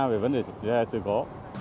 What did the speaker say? về vấn đề sự cố